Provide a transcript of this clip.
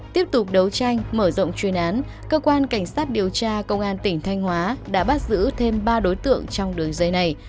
tiếp tục đấu tranh mở rộng chuyên án cơ quan cảnh sát điều tra công an tỉnh thanh hóa đã bắt giữ thêm ba đối tượng trong đường dây này